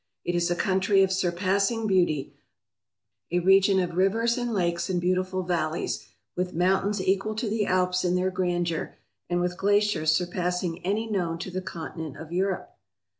It is a country of surpassing' beauty a region of rivers and lakes and beautiful valleys, with mountains equal to the Alps in their grandeur and with glaciers surpassing any known to the continent of Europe.